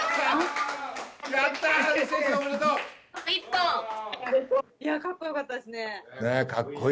かっこよかったですね。